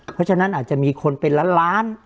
เพราะฉะนั้นอาจจะมีคนเป็นล้านล้าน